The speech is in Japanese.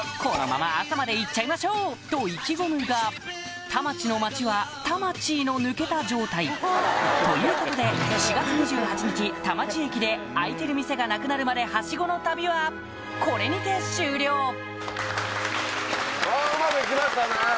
このままと意気込むが田町の街はタマチイの抜けた状態ということで４月２８日田町駅で開いてる店がなくなるまでハシゴの旅はこれにて終了うまくいきましたね。